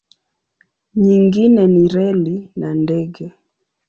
Nyingine ni reli na ndege.